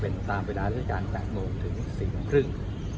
เป็นตามเวลาที่การแบ่งโมงถึงสิ่งครึ่ง